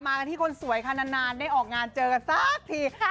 กันที่คนสวยค่ะนานได้ออกงานเจอกันสักที